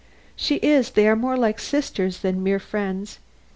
"She is; they are more like sisters than mere friends."